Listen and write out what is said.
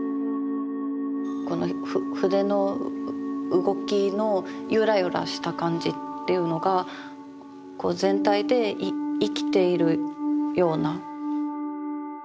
この筆の動きのゆらゆらした感じっていうのがこう全体で生きているような。